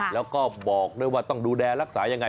แล้วก็บอกด้วยว่าต้องดูแลรักษายังไง